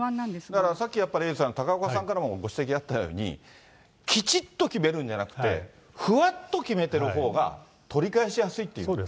だからさっきエイトさん、高岡さんからもご指摘あったように、きちっと決めるんじゃなくて、ふわっと決めてるほうが取り返しやすいということ？